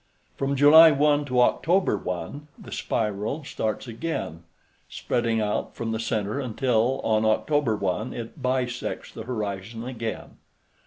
From July 1 to October 1 the spiral starts again, spreading out from the center until on October 1 it bisects the horizon again.